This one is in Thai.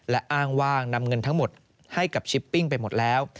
และอ้างว่านำเงินทั้งหมดให้กับชิปปิ้งไปหมดแล้ว